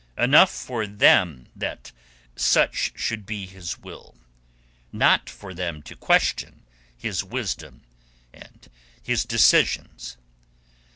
Enough for them that such should be his will. Not for them to question his wisdom and his decisions.